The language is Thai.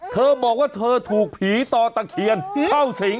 เธอบอกว่าเธอถูกผีต่อตะเคียนเข้าสิง